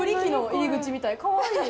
かわいい。